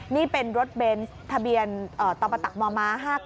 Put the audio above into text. นี่เป็นรถเบนซ์ทะเบียนตอบประตักมม๕๙๐